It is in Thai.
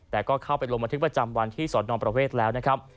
แต่ก็เข้าไปลงบันทึกประจำวันที่สอนองประเวทแล้วนะครับ